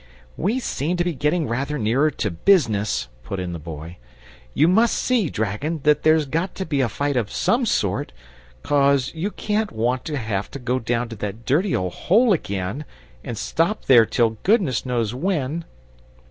"We seem to be getting rather nearer to BUSINESS," put in the Boy. "You must see, dragon, that there's got to be a fight of some sort, 'cos you can't want to have to go down that dirty old hole again and stop there till goodness knows when."